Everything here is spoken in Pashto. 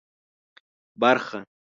برخه